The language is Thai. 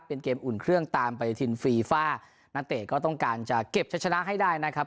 เป็นเกมอุ่นเครื่องตามไปทินฟีฟ่านักเตะก็ต้องการจะเก็บชะชนะให้ได้นะครับ